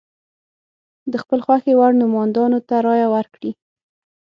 د خپل خوښې وړ نوماندانو ته رایه ورکړي.